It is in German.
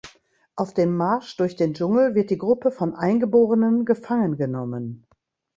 Auf dem Marsch durch den Dschungel wird die Gruppe von Eingeborenen gefangen genommen.